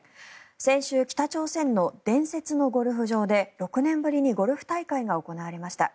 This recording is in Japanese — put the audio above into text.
先週、北朝鮮の伝説のゴルフ場で６年ぶりにゴルフ大会が行われました。